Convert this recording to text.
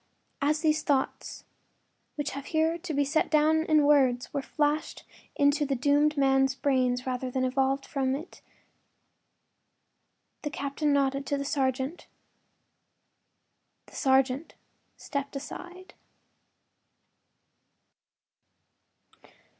” As these thoughts, which have here to be set down in words, were flashed into the doomed man’s brain rather than evolved from it the captain nodded to the sergeant. The sergeant stepped aside.